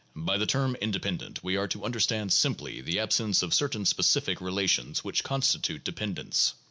By the term independent we are to understand simply the absence of certain specific relations which constitute dependence.